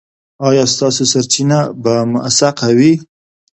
ایا ستاسو سرچینه به موثقه وي؟